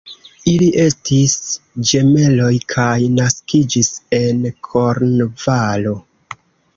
Ili estis ĝemeloj kaj naskiĝis en Kornvalo.